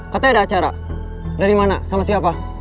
katanya ada acara dari mana sama siapa